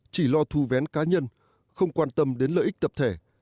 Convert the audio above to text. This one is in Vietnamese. chỉ lo thu vén cá nhân không quan tâm đến lợi ích tập thể